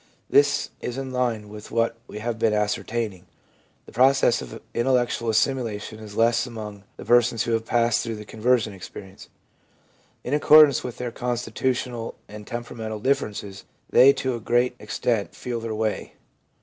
This is in line with what we have been ascer taining. The process of intellectual assimilation is less among the persons who have passed through the conversion experience. In accordance with their consti tutional and temperamental differences they to a great extent feel their way.